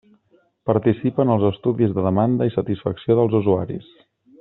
Participa en els estudis de demanda i satisfacció dels usuaris.